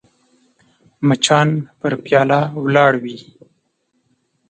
مچان پر پیاله ولاړ وي